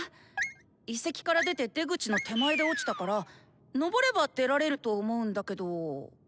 遺跡から出て出口の手前で落ちたからのぼれば出られると思うんだけど。